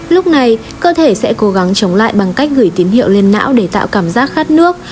lúc này cơ thể sẽ cố gắng chống lại bằng cách gửi tín hiệu lên não để tạo cảm giác khát nước